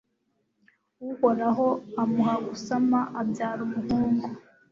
uhoraho amuha gusama abyara umuhungu